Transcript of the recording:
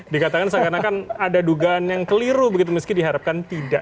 dikatakan seakan akan ada dugaan yang keliru begitu meski diharapkan tidak